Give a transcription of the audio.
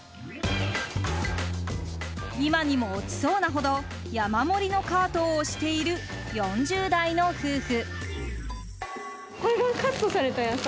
今にも落ちそうなほど山盛りのカートを押している４０代の夫婦。